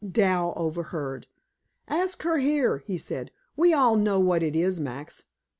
Dal overheard. "Ask her here," he said. "We all know what it is, Max.